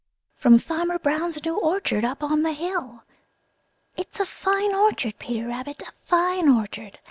"From Farmer Brown's new orchard up on the hill. It's a fine orchard, Peter Rabbit, a fine orchard.